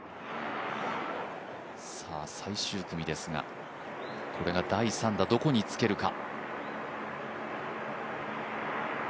最終組ですが、これが第３打、どこにつけるか。